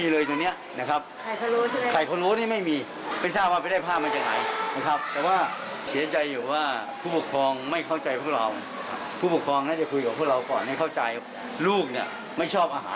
ลูกไม่ชอบอาหารนี้